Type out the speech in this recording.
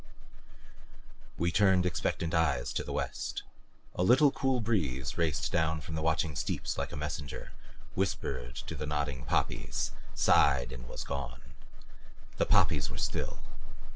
We turned expectant eyes to the west. A little, cool breeze raced down from the watching steeps like a messenger, whispered to the nodding poppies, sighed and was gone. The poppies were still.